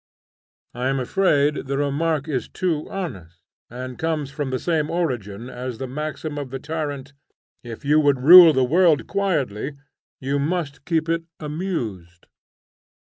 I am afraid the remark is too honest, and comes from the same origin as the maxim of the tyrant, "If you would rule the world quietly, you must keep it amused."